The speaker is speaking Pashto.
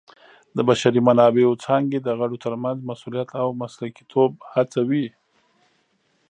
د بشري منابعو څانګې د غړو ترمنځ مسؤلیت او مسلکیتوب هڅوي.